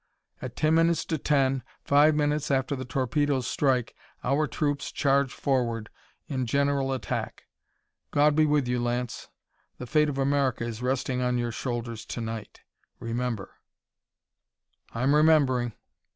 At ten minutes to ten, five minutes after the torpedoes strike, our troops charge forward in general attack. God be with you, Lance! The fate of America is resting on your shoulders to night, remember!" "I'm remembering."